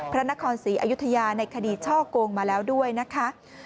พระนครศรีอยุธยาในคดีช่อกงมาแล้วด้วยนะคะ